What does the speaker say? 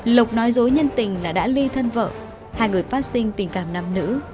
lộc nói dối nhân tình là đã ly thân vợ hai người phát sinh tình cảm nam nữ